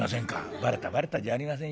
「『バレた』じゃありませんよ。